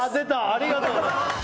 ありがとうございます。